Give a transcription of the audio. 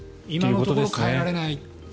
今のところ変えられない。